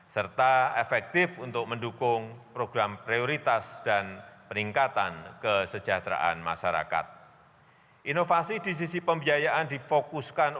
serta efektif untuk mendukung program perpajakan